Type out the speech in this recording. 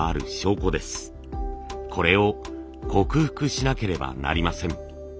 これを克服しなければなりません。